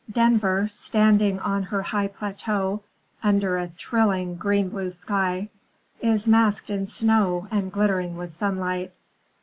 Denver, standing on her high plateau under a thrilling green blue sky, is masked in snow and glittering with sunlight.